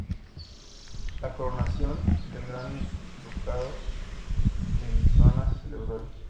La coronación del Gran Ducado de Lituania se celebró allí.